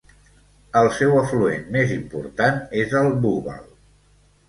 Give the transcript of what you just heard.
El seu afluent més important és el Búbal.